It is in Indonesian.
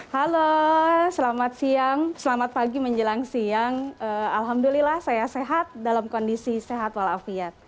halo selamat siang selamat pagi menjelang siang alhamdulillah saya sehat dalam kondisi sehat walafiat